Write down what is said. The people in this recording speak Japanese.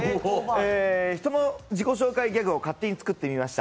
人の自己紹介ギャグを勝手に作ってみました。